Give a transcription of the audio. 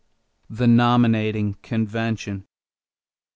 =The Nominating Convention.